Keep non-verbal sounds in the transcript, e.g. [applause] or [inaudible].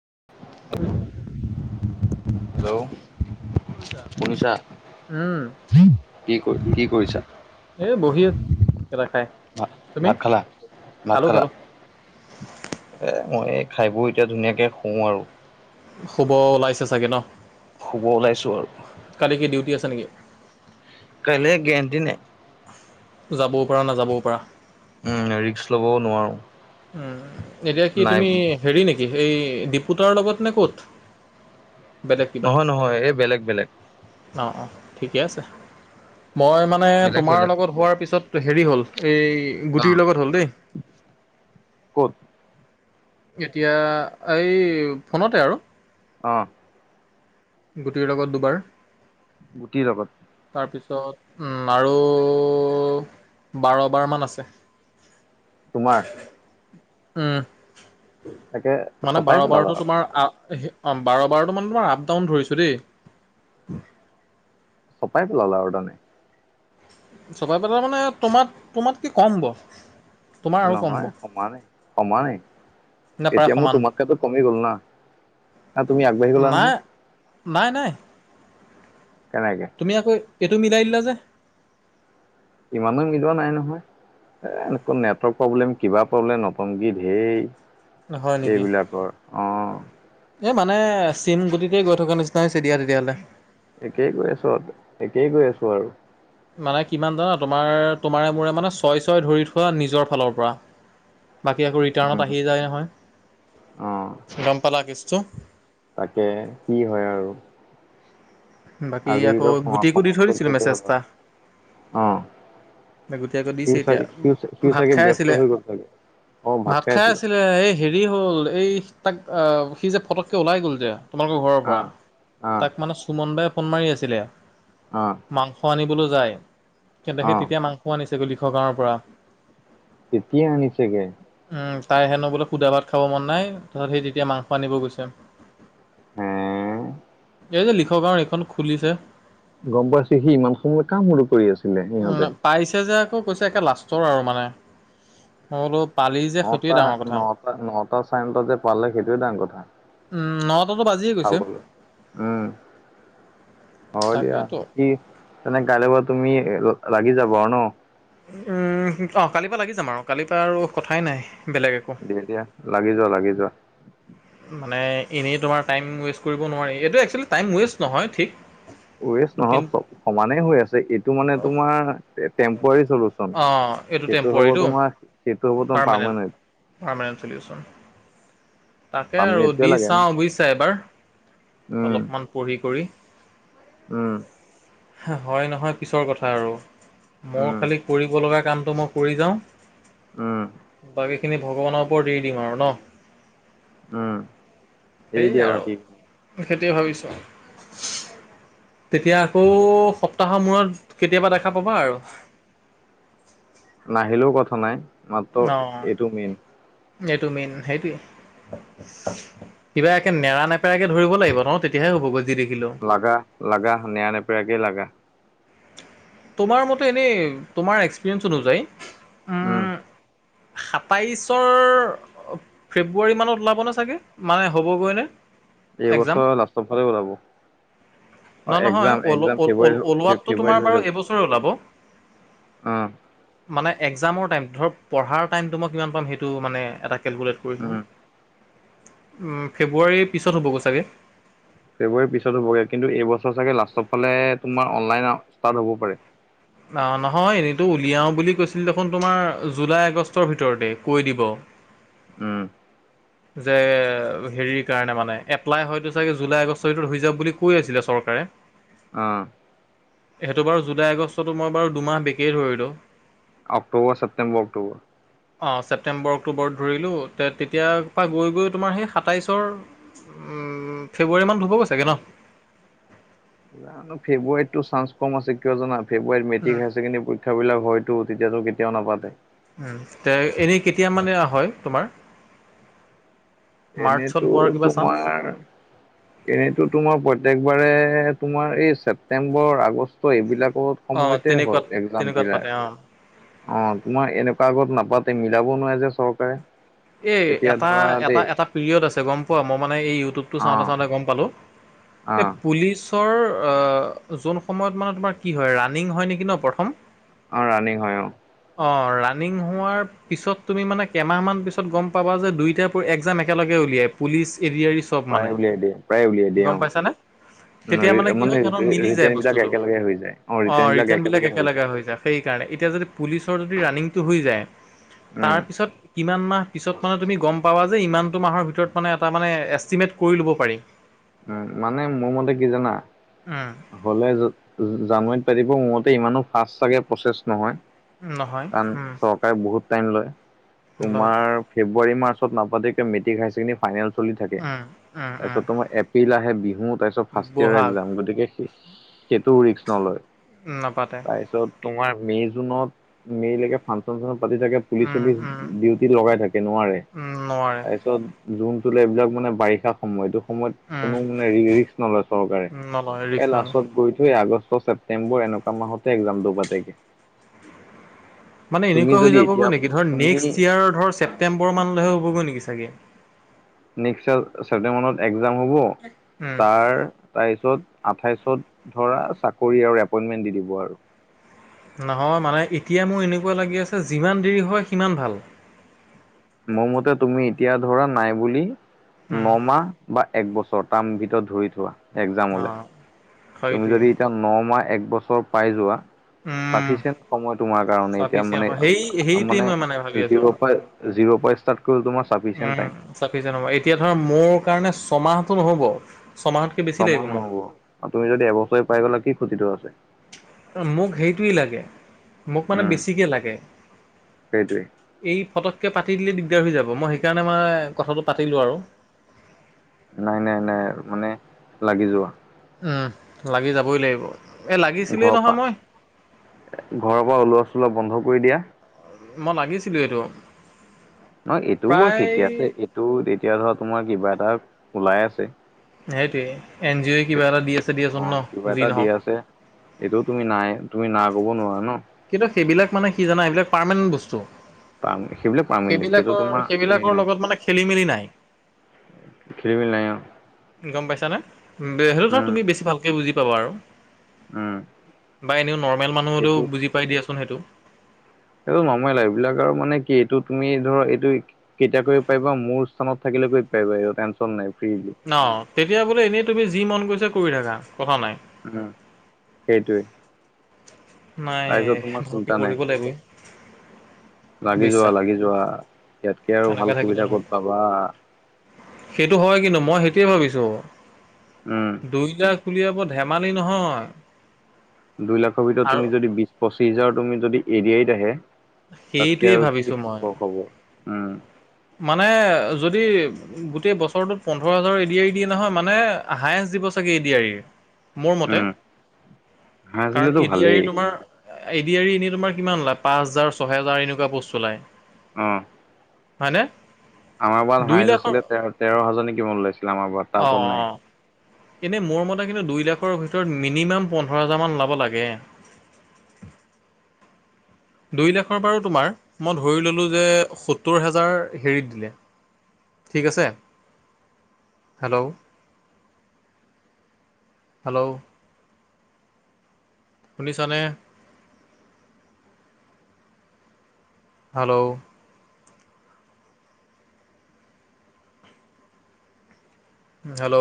উ [unintelligible] হেল্ল'। কৰিছা? শুনিছা? উম, কি কৰি কি কৰিছা এ বহি আছ, এটা খাই। ভাত তুমি? ভাত খালা? ভাত খালো খালা? খালো। এ মই খাই বই এতিয়া ধুনীয়াকে শুও আৰু। শুব ওলাইছে চাগে ন? শুব ওলাইছোঁ আৰু। কালি কি ডিউটি আছে নেকি? কাইলৈ গেৰেণ্টি নাই। যাবও পাৰা নাযাবও পাৰা। উম ৰিক্স ল'বও নোৱাৰোঁ। উম এতিয়া কি তুমি হেৰি নেকি? এই দিপুতৰ লগত নে ক'ত? বেলেগ কিবা? নহয় নহয় এই বেলেগ বেলেগ। অ অ ঠিকে আছে। মই ম মানে বেলেগ তোমাৰ বেলেগ লগত হোৱাৰ পিছত হেৰি হ'ল, এই অ গুটিৰ লগত হ'ল দেই। ক'ত? এতিয়া এই ফোনতে আৰু অ। গুটিৰ লগত দুবাৰ গুটিৰ লগত? তাৰপিছত উম আৰু বাৰ বাৰমান আছে। তোমাৰ? উম তাকে মানে চপাই বাৰ পেলালা বাৰতো আৰু তোমাৰ আ অ বাৰ বাৰটো মানে তোমাৰ আপ ডাউন ধৰিছোঁ দেই। চপাই পেলালা আৰু তাৰনে চপাই পেলালা মানে তোমাত তোমাত কে কম হ'ব। তোমাৰ আৰু কম নহয় হ'ব সমান সমানেই। নে প্ৰায় এতিয়া মোৰ সমান তোমাতকে কমি গ'ল না। অ তুমি আগবাঢ়ি গ'লা নাই নহয়। নাই নাই। কেনেকে? তুমি আকৌ এইটো মিলাই দিলা যে? ইমানো মিলোৱা নাই নহয়। এ তোৰ নেটৱৰ্ক প্ৰব্লেম, কিবা প্ৰব্লেম, নতংকি ধেৰ। হয় নেকি এইবিলাকৰ অ। এই মানে চেইম গতিতে গৈ থকাৰ নিচিনা হৈছে দিয়া তেতিয়াহ'লে। একেই গৈ আছো, একেই গৈ আছো আৰু। মানে কিমান জানা? তোমাৰ তোমাৰে মোৰে মানে ছয় ছয় ধৰি থোৱা নিজৰ ফালৰ পৰা বাকী আকৌ ৰিটাৰ্ণত উম আহিয়ে যায় অ নহয়। গম পালা কেছটো? তাকে কি হয় আৰু বাকী আজিল আকৌ সম গুটিকো দি থৈ সমাপ্ত দিছিলোঁ কৰি মেছেজ হ'ল এটা আৰু অ। গুটি আকৌ সি দিছে এতিয়া চাগে সি ভাত চাগে খাই ব্যস্ত আছিলে হৈ গ'ল চাগে অ ভাত খাই আছিলে। যে এই হেৰি হ'ল এই তাক সি যে ফটককে ওলাই গ'ল যে তোমালোকৰ ঘৰৰ পৰা আহ আহ তাক মানে সুমন দায় ফোন মাৰি আছিলে অ। মাংস আনিবলৈ যায়। কিন্তু সেই আহ তেতিয়া মাংস আনিছেগৈ লিখৰ গাঁৱৰ পৰা। তেতিয়া আনিছেগে? উম তাই হেনো বোলে সুদা ভাত খাব মন নাই, তাৰপাছত সেই তেতিয়া মাংস আনিব গৈছে। হে এই যে লিখক কাৰণ এইখন খুলিছে। গম পাইছে সি ইমান সময় কাম মোৰটো কৰি আছিলে উম, সিহঁতে। পাইছে যে আকৌ কৈছে একে লাষ্টৰ আৰু মানে। অ বলো পালিছ নটা, নটা, নটা চাৰে নটা যে পালে সেইটোয়ে ডাঙৰ কথা। ন খাবলৈ উমঁ, হয় দিয়া। তাকেতো কি? তেনে কাইলৈ পৰা তুমি লাগি যাব আৰু ন? উমঁ, কালিৰ পৰা লাগি যাম আৰু কালিৰ পৰা আৰু কথাই নাই বেলেগ একো। দিয়া-দিয়া, লাগি যোৱা, লাগি যোৱা। মানে এনেই তোমাৰ টাইম ৱেষ্ট কৰিব নোৱাৰি। এইটো এক্সচলি টাইম ৱেষ্ট নহয় ঠিক। ৱেষ্ট নহক কিন্তু চব সমানে হৈ আছে, এইটো মানে তোমাৰ টেম্পুৱাৰি চল অঁ এইটো সেইটো হ'ব টেম্প'ৰাৰীটো তোমাৰ সেইটো হ'ব তোমাৰ পাৰমেনণ্ট। পাৰমেনণ্ট চলি আছে। তাকে আৰু পাৰ্মানেণ্টটোৱে দি লাগে ন চাওঁ বুজিছা এবাৰ উম অলপমান পঢ়ি কৰি। উম। হয়, নহয় পিছৰ কথা আৰু, মোৰ উম খালী কৰিবলগা কামটো মই কৰি যাওঁ। উম বাকী খিনি ভগৱানৰ ওপৰত দি দিম আৰু ন। উমঁ। সেয়ে আৰু সেইটোৱে ভাবিছোঁ। তেতিয়া আকৌ সপ্তাহৰ মূৰত কেতিয়াবা দেখা পাবা আৰু। নাহিলেও কথা নাই, মাত্ৰ অঁ এইটো মেইন। এইটো মেইন সেইটোৱেই। কিবা একে নেৰা-নেপেৰাক ধৰিব লাগিব ন'হ তেতিয়াহে হ'ব গৈ যি দেখিলো। লাগা, লগা, নেৰা-নেপয়াকে লাগা। তোমাৰ মতে এনেই তোমাৰ এক্সপিৰিয়েঞ্চ অনুযায়ী উম। সাতাইছৰ- ফেব্ৰুৱাৰী মানত ওলাব নে চাগে মানে হ'বগৈ নে? এইবছৰ লাষ্টৰফালে ওলাব। অ নহ নহয় এক্সাম এক্সাম ফেব্ৰুৱাৰী ওলোৱাতটো ফেব্ৰুৱাৰীত তোমাৰ বাৰু এবছৰে ওলাব। উমঁ। মানে এক্জামৰ টাইম ধৰক পঢ়াৰ টাইমটো মই কিমান পাম সেইটো মানে এটা কেলকুলেট- কৰিছে। উম ফেব্ৰুৱাৰীৰ পিছত হ'বগৈ চাগৈ। ফেব্ৰুৱাৰীৰ পিছত হ'বগে কিন্তু এইবছৰ চাগে লাষ্টৰ ফালে তোমাৰ অনলাইন ৰাস্তাত হ'ব পাৰে। অহ', নহয় এনেইতো উলিয়াও বুলি কৈছিল দেখোন তোমাৰ জুলাই আগষ্টৰ ভিতৰতে কৈ দিব। উম। যে হেৰিৰ কাৰণে মানে এপ্লাই হয়তো চাগে জুলাই আগষ্টৰটোত হৈ যাব বুলি কৈ আছিলে চৰকাৰে। অঁহ। সেইটো বাৰু জুলাই আগষ্টতো মই বাৰু দুমাহ বেছিয়ে ধৰিলো। অক্টোবৰ, ছেপ্তেম্বৰ, অক্টোবৰ। অঁহ', - ছেপটেম্বৰ অক্টোবৰত ধৰিলোঁ তে তেতিয় পৰা গৈ গৈ তোমাৰ সেই সাতাইছৰ- উম ফেব্ৰুৱাৰী মানত হবগৈ চাগে ন। জানো, ফে্বোৱাৰীতো চাঞ্চ কম আছে কিয় জানা ফে্বোৱাৰীত মেট্টিক হাইছেকেণ্ডেৰী পৰিক্ষা- সেইবিলাক বিলাক হয়তো তেতিয়াতো কেতিয়াও নাপাতে। উম তে এনেই কেতিয়া মানে হয় তোমাৰ মাৰ্চত এনেইতো হোৱাৰ কিবা চান্স? তোমাৰ এনেইতো তোমাৰ প্ৰত্যেকবাৰে তোমাৰ এই ছেপটেম্বৰ আগষ্ট এইবিলাকত অঁ সময়তে হয় তেনেকুৱাত এক্সজাম তেনেকুৱাত পাতে বিলাক অঁ। অ' তোমাৰ এনেকুৱা আগত নাপাতে মিলাব নোৱাৰে যে চৰকাৰে এ এতিয়া এটা ধৰা এটা দেই এটা পিৰিয়ড আছে গম পোৱা মই মানে এই ইউটিউবটো চাওঁতে অ', চাওঁতে গম পালোঁ এই অ', পুলিচৰ অ যোন সময়ত মানে তোমাৰ কি হয় ৰানিং হয় নেকি ন প্ৰথম অ ৰানিং হয় অ অ ৰানিং হোৱাৰ পিছত তুমি মানে কেইমাহ মান পিছত গম পাবা যে দুইটা প একজাম একেলগে উলিয়াই পুলিচ এৰি চব প্ৰায় মানে উলিয়াই দিয়ে, প্ৰায় উলিয়াই দিয়ে গম অ'। পাইছানে তেতিয়া মানে কি হয় সিহঁতৰ মিলি যায় বস্তুটো অ ৰিটাৰ্ণ বিলাক একেলগে হৈ যায়। সেইকাৰণে এতিয়া যদি পুলিচৰ যদি ৰানিংটো হৈ যায় উম, তাৰপিছত কিমান মান পিছত মানে তুমি গম পাবা যে ইমানটো মাহৰ ভিতৰত মানে এটা মানে এষ্টিমেট কৰি ল'ব পাৰি উম মানে মোৰ মতে কি জানা উম, হলে জানুৱাৰীত পাতিব মোৰ মতে ইমানো ফাষ্ট চাগে প্ৰচেছ নহয় নহয় কাৰণ উম, চৰকাৰে বহুত টাইম লয় লয় তোমাৰ ফেব্ৰুৱাৰী মাৰ্চত নাপাতিকে মেট্ৰিক হায়াৰ ছেকেণ্ডাৰী ফাইনেল চলি থাকে উম, উম, উম। তাৰপিছত তোমাৰ এপ্ৰিল আহে বিহু তাৰপিছত ফাৰ্ষ্ট ইয়াৰ বহাগ একজাম গতিকে সে সেইটোও ৰিস্ক নলয়। নাপাতে তাৰপিছত তোমাৰ মে' জুনত মে লৈকে ফাংচন চাংচন পাতি থাকে। পুলিচ উম চুলিচ উম ডিউটি লগাই থাকে নোৱাৰে উম নোৱাৰে তাৰপিছত জোনটো এইবিলাক মানে বাৰিষা সময় এইটো সময়ত উম কোনো মানে ৰিক্স নলয় চৰকাৰে নলয় ৰিক্স এই নলয় লাষ্টত গৈ থৈ আগষ্ট ছেপ ছেপ্টেম্বৰ এনেকোৱা মাহতে এক্সজাম টো পাতেগে মানে তুমি এনেকুৱা হৈ যদি এতিয়া যাবগৈ নেকি ধৰ তুমি নেক্স ইয়াৰৰ ছেপ্টেবৰমানলৈহে হ'বগৈ নেকি ছাগে নেক্স ছেপ্টেম্বৰত মানত এক্সজাম হ'ব উম তাৰ তাপাছত আঠাইছত ধৰা চাকৰি আৰু এপইন্টমেন্ট দি দিব আৰু। নহয় মানে এতিয়া মোৰ এনেকুৱা লাগি আছে যিমান দেৰি হয় সিমান ভাল মোৰ মতে তুমি এতিয়া ধৰা নাই বুলি উম নমাহ বা এক বছৰ তাৰ ভিতৰত ধৰি থোৱা অ এক্সজামলে তুমি সেইটোৱে যদি এতিয়া ন মাহ এক বছৰ পাই যোৱা উম ছাফিচিয়েণ্ট সময় তোমাৰ কাৰণে এতিয়া চাফিচিয়েণ্ট মানে হয় সেই সেইটোৱে মানে মই ভাবি আছো জিৰ' পৰা জিৰ' পৰা ষ্টাৰ্ট কৰি তোমাৰ চাফিচিয়েন্ট পায় চাফিচিয়েন্ট পৰা এতিয়া ধৰা মোৰ কাৰণে ছমাহটো নহ'ব ছমাহ ছমাহ নহব আপুনি যদি এবছৰে পাই গ'লে কি ক্ষতিটো আছে। মোক সেইটোৱেই লাগে মোক মানে উম বেছিকে লাগে। সেইটোৱে এই ফটককে পাতি দিলেই দিগদাৰ হৈ যাব মই সেইকাৰণে মানে কথাটো পাতিলোঁ আৰু নাই নাই নাই মানে লাগি যোৱা। উম লাগি যাবই লাগিব। এ লাগিছিলেই ঘৰ নহয় পৰা মই ঘৰৰ পৰা ওলোৱা চোলোৱা বন্ধ কৰি দিয়া। মই লাগিছিলো এইটো নহয় এইটোও বাৰু প্ৰায় ঠিকে আছে এইটো এতিয়া ধৰা তোমাৰ কিবা এটা ওলাই আছে। সেইটোৱেই এন জি অ'ই কিবা এটা দি আছে দিয়াচোন ন যি নহওক। এইটোও তুমি নাই তুমি না ক'ব নোৱাৰা ন। কিন্তু সেইবিলাক মানে কি জানা এইবিলাক পাৰমানেণ্ট বস্তু সেইবিলাক পাৰ্মানেণ্ট সেইটো তোমাৰ সেইবিলাকৰ হেৰি সেইবিলাকৰ নাই লগত মানে খেলি মেলি নাই [unintelligible] নাই অ গম পাইছানে [unintelligible] উম তুমি বেছি ভালকে বুজি পাবা আৰু উম বা এনেও নৰ্মেল এইটো মানুহলেও বুজি পাই দিয়াচোন সেইটো আও নৰ্মেল [unintelligible] এইবিলাক আৰু মানে কি এইটো তুমি ধৰ এইটো কেতিয়া কৰিব পাৰিবা মোৰ স্থানত [unintelligible] থাকিলে কৰিব পাৰিব টেনশ্যন নাই ফ্ৰী ন তেতিয়া বোলে এনেই তুমি যি মন গৈছে কৰি থাকা কথা নাই উম সেইটোৱে নাই তাৰপিছত তোমাৰ ভালকে চিন্তা নাই পঢ়িব লাগিবই লাগি যোৱা বিশ্বাস লাগি যোৱা ইয়াতকে আৰু এনেকে ভাল থাকিলে সুবিধা নহ'ব ক'ত পাবা? সেইটো হয় কিন্তু মই সেইটোৱে ভাবিছোঁ উম দুই [unintelligible] বুলি আকৌ ধেমালি নহয় দুইলাখৰ ভিতৰত আৰু তুমি যদি বিশ পঁচিশ হাজাৰ তুমি যদি এৰিয়াইত আহে তাতকে সেইটোৱে আৰু ভাবিছো কি মই সুখৰ খবৰ উম মানে যদি গোটেই বছৰটোত পোন্ধৰ হাজাৰ এডিআৰি দিয়ে নহয় মানে হায়েচ দিব চাগে এডিআৰি মোৰ মতে উম কাৰণ হাৰাইছিলেতো ভালেই এদিআৰি তোমাৰ এদিআৰি এনে তোমাৰ কিমান ওলায় পাঁচ হাজাৰ ছহেজাৰ এনেকুৱা পস্ত ওলাই অঁ হয়নে? আমাৰ বাৰত দুই হাইজ লাখৰ আছিলে তেৰ তেৰ হাজাৰ কিমান ওলাইছিলে আমাৰ বাৰত তাৰ অ ওপৰত নাই অ এনেই মোৰ মতে কিন্তু দুই লাখৰ ভিতৰত মিনিমাম পোন্ধৰ হাজাৰমান ল'ব লাগে [inaudible] দুইলাখৰ বাৰু তোমাৰ মই ধৰি ললোঁ যে সত্তৰ হেজাৰ হেৰিত দিলে ঠিক আছে হেল্ল' হেল্ল' শুনিচানে? Hello hello